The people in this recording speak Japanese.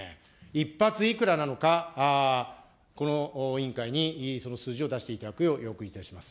１発いくらなのか、この委員会にその数字を出していただくよう要求いたします。